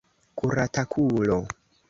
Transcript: Kuratakulo!